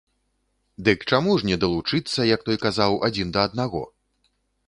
Дык чаму ж не далучыцца, як той казаў, адзін да аднаго?